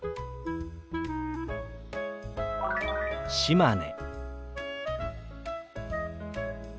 「島根」。